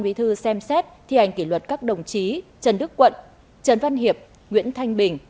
bí thư xem xét thi hành kỷ luật các đồng chí trần đức quận trần văn hiệp nguyễn thanh bình